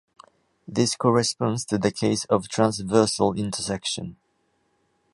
This corresponds to the case of "transversal intersection".